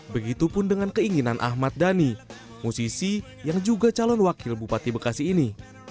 begitupun dengan keinginan ahmad dhani musisi yang juga calon wakil bupati bekasi ini